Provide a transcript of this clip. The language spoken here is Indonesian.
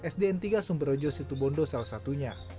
sdn tiga sumberojo situbondo salah satunya